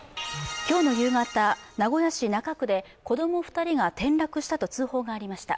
今日の夕方、名古屋市中区で子供２人が転落したと通報がありました。